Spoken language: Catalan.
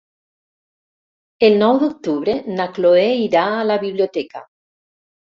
El nou d'octubre na Chloé irà a la biblioteca.